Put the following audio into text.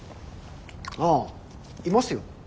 あぁいますよ。